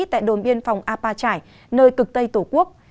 tại đồn biên phòng apa trải nơi cực tây tổ quốc